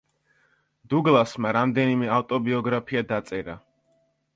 დუგლასმა რამდენიმე ავტობიოგრაფია დაწერა.